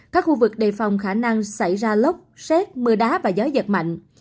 các khu vực đề phòng khả năng xảy ra lốc xét mưa đá và gió giật mạnh